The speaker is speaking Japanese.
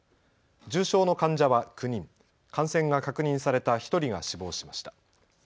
重症の患者は９人、感染が確認された１人が死亡しました。